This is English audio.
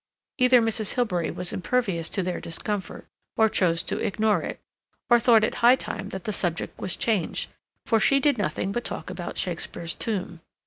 Either Mrs. Hilbery was impervious to their discomfort, or chose to ignore it, or thought it high time that the subject was changed, for she did nothing but talk about Shakespeare's tomb.